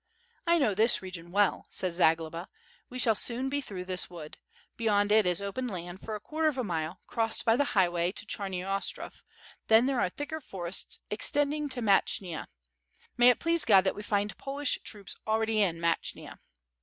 "I know this region well," said Zagloba. "We shall soon be through this wood. Beyond it is open land for a quarter of a mile, crossed by the highway to Chamy Ostrov, then there are thicker forests extending to Matchyna. May it please God that we find Polish troops already in Matchyna."